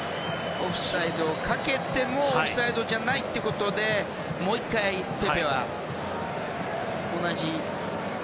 オフサイドをかけてもオフサイドじゃないということでもう１回ペペは。